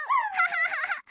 ハハハ。